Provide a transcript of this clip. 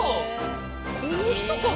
この人か！